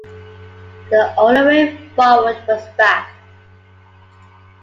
The only way forward was back.